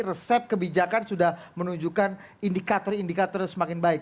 resep kebijakan sudah menunjukkan indikator indikator semakin baik